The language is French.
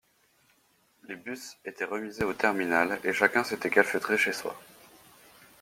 Les bus étaient remisés au terminal, et chacun s’était calfeutré chez soi.